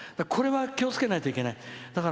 これは気をつけないといけない。